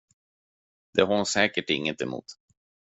Det har hon säkert inget emot.